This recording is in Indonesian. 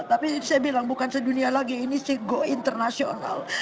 tapi saya bilang bukan sedunia lagi ini sego internasional